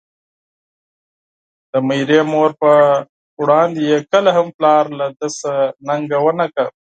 د ميرې مور په وړاندې يې کله هم پلار له ده څخه ننګه ونکړه.